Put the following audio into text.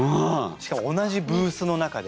しかも同じブースの中で。